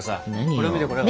これ見てこれを。